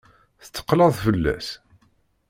Tettekleḍ fell-as?